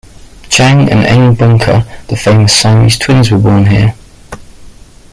Chang and Eng Bunker, the famous Siamese twins were born here.